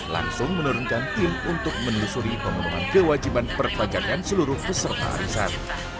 langsung menurunkan tim untuk menelusuri pemenuhan kewajiban perpajakan seluruh peserta arisan